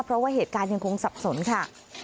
เพราะว่าเหตุการณ์ยังคงสับสนค่ะ